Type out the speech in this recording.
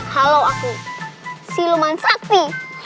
kalau aku siluman sakti